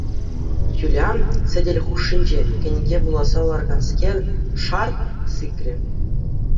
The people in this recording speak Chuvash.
Юля, сӗтел хушшинче кӗнеке вуласа лараканскер, шарт! сикрӗ.